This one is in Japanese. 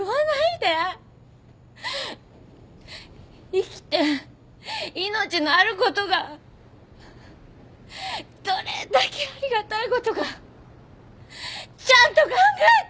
生きて命のあることがどれだけありがたいことかちゃんと考えて！